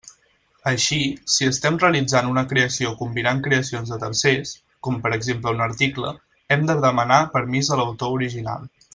Així, si estem realitzant una creació combinant creacions de tercers, com per exemple un article, hem de demanar permís a l'autor original.